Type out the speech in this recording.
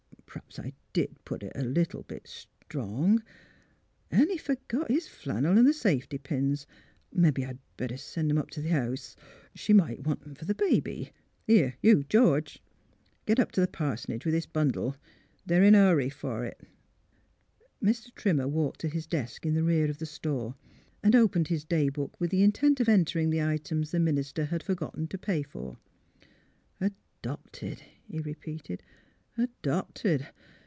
Perhaps I did put it a little strong. ... An' he fergot his flannel and the safety pins. Mebbe I'd better send 'em up t' the house. She might want 'em f'r th' baby. ... Here you, George, g' up t' the pars'nage with this bundle. They're in a hurry f'r it." Mr. Trimmer walked to his desk in the rear of the store and opened his day book, with the intent of entering the items the minister had for gotten to pay for. ''Adopted," he repeated. "Adopted!